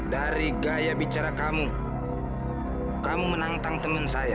dari gaya bicara kamu kamu menantang teman saya